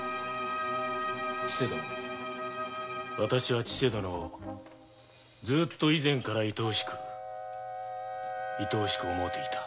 千世殿私は千世殿をずと以前からいとおしくいとおしく思うていた。